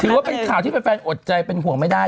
ถือว่าเป็นข่าวที่แฟนอดใจเป็นห่วงไม่ได้